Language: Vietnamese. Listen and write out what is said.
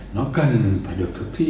nó cần phải được thực thi